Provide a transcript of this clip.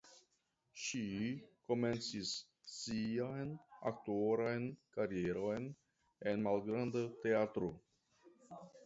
Ŝi komencis sian aktoran karieron en malgranda teatro.